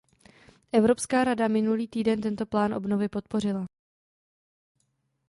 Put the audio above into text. Evropská rada minulý týden tento plán obnovy podpořila.